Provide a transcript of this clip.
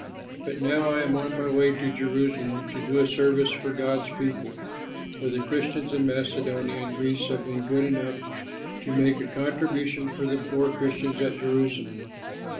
But now I am on my way to Jerusalem to do a service for God's people; for the Christians in Macedonia and Greece have been good enough to make a contribution for the poor Christians at Jerusalem.